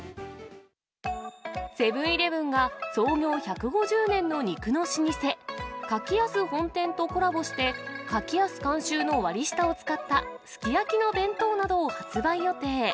セブンーイレブンが創業１５０年の肉の老舗、柿安本店とコラボして、柿安監修の割り下を使ったすき焼きの弁当などを発売予定。